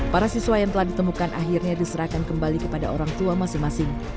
para siswa yang telah ditemukan akhirnya diserahkan kembali kepada orang tua masing masing